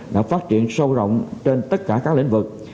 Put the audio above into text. đã phát triển sâu rộng trên tất cả các lĩnh vực